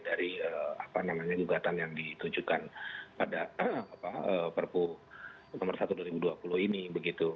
dari apa namanya kegugatan yang ditujukan pada perpu nomor satu dua ribu dua puluh ini